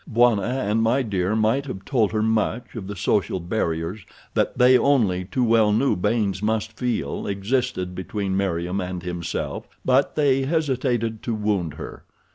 Bwana and My Dear might have told her much of the social barriers that they only too well knew Baynes must feel existed between Meriem and himself, but they hesitated to wound her.